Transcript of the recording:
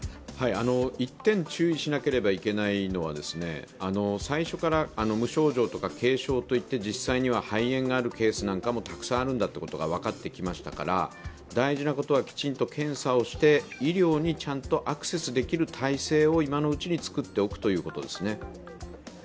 １点注意しなければいけないのは、最初から無症状とか軽症といって実際には肺炎があるケースもたくさんあるんだということが分かってきましたから大事なことは、きちんと検査をして医療にちゃんとアクセスできる体制を今のうちに作っておくということですね。